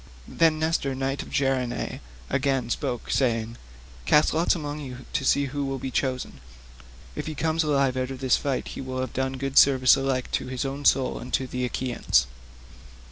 Then Nestor knight of Gerene again spoke, saying: "Cast lots among you to see who shall be chosen. If he come alive out of this fight he will have done good service alike to his own soul and to the Achaeans."